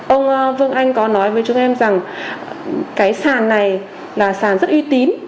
ông vương anh có nói với chúng em rằng cái sàn này là sàn rất uy tín